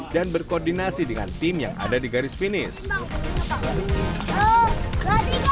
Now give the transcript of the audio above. dan berkoordinasi dengan tim yang ada di garis finish